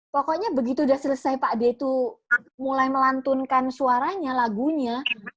pokoknya begitu sudah selesai pak d itu mulai melantunkan suaranya lagunya